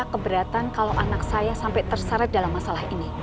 keberatan kalau anak saya sampai terseret dalam masalah ini